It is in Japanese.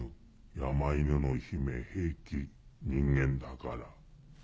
山犬の姫平気人間だから。